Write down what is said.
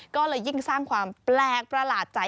ก็เลยยิ่งสร้างความแปลกประหลาดใจ